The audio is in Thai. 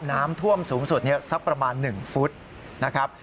น้ำท่วมสูงสุดสักประมาณ๑ฟุตนะครับ